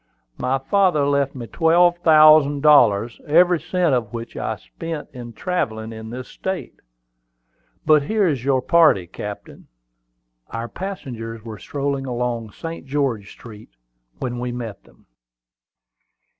My father left me twelve thousand dollars, every cent of which I spent in travelling in this state. But here is your party, captain." Our passengers were strolling along St. George Street when we met them.